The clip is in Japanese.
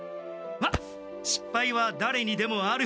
まあしっぱいはだれにでもある。